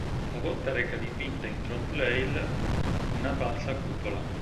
La volta reca dipinta in trompe-l'œil una falsa cupola.